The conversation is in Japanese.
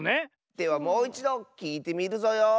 ではもういちどきいてみるぞよ。